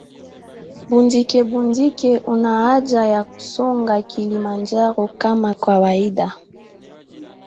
Mbundikebundike huna haja ya kumsonga kilimanjaro kama kawaida